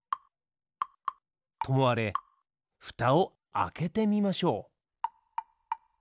ともあれふたをあけてみましょう。